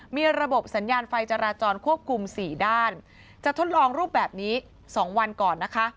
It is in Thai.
มีระบบสัญญาณไฟจราจรควบคุมสี่ด้านจะทดลองรูปแบบนี้๒วันก่อนนะคะ